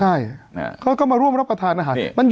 ใช่เขาก็มาร่วมรับประทานอาหาร